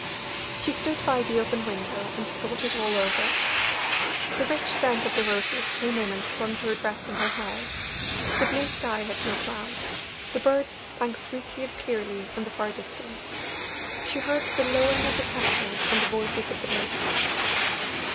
She stood by the open window and thought it all over. The rich scent of the roses came in and clung to her dress and her hair; the blue sky had no cloud; the birds sang sweetly and clearly in the far distance; she heard the lowing of the cattle and the voices of the laborers.